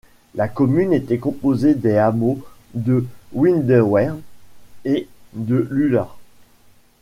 La commune était composée des hameaux de Windeweer et de Lula.